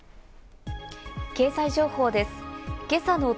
経済情報です。